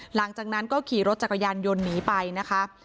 หลังจากนั้นก็ขี่รถจักรยานยนต์หนีไปนะคะ